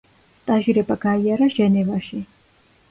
სტაჟირება გაიარა ჟენევაში.